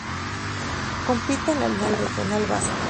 Compite en la liga Regional Vasca.